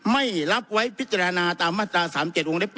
ไม่รับไว้พิจารณาตามมาตรา๓๗วงเล็บ๘